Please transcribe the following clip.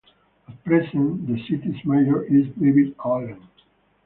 At present the city's mayor is David Allen.